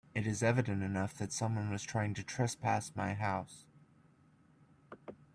It is evident enough that someone was trying to trespass my house.